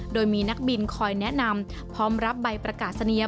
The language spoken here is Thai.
โดยมีนักบินคอยแนะนำพร้อมรับใบประกาศนีย